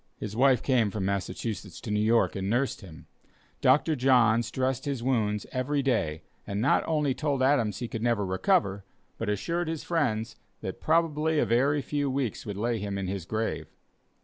His wife came from Massachusetts to New York and nursed him. Dr. Johns dressed his wounds every day, and not only told Adams he could never recover, but assured his friends, that probably a very few weeks would lay him in his grave.